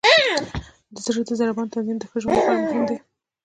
د زړه د ضربان تنظیم د ښه ژوند لپاره مهم دی.